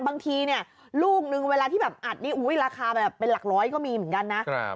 บางทีลูกหนึ่งเวลาที่อัดนี้ราคาเป็นหลักร้อยก็มีเหมือนกันนะ